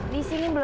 di sini belum